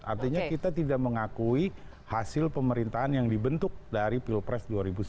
artinya kita tidak mengakui hasil pemerintahan yang dibentuk dari pilpres dua ribu sembilan belas